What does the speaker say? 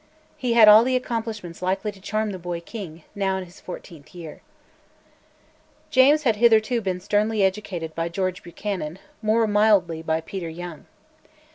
He had all the accomplishments likely to charm the boy king, now in his fourteenth year. James had hitherto been sternly educated by George Buchanan, more mildly by Peter Young.